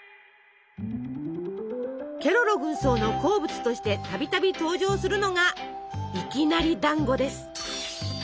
ケロロ軍曹の好物としてたびたび登場するのがいきなりだんごです。